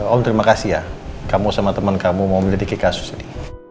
om terima kasih ya kamu sama temen kamu mau menyelidiki kasus ini